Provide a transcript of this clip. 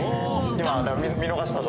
今。